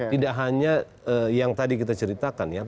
tidak hanya yang tadi kita ceritakan ya